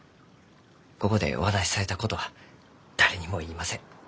ここでお話しされたことは誰にも言いません。